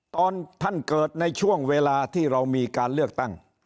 ตอนท่านเกิดในช่วงเวลาที่เรามีการเลือกตั้ง